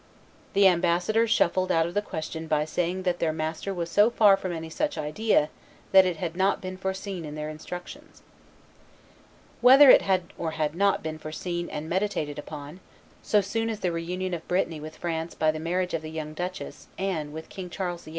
The ambassadors shuffled out of the question by saying that their master was so far from any such idea, that it had not been foreseen in their instructions. Whether it had or had not been foreseen and meditated upon, so soon as the reunion of Brittany with France by the marriage of the young duchess, Anne, with King Charles VIII.